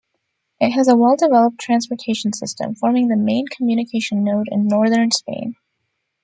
It has a well-developed transportation system, forming the main communication node in northern Spain.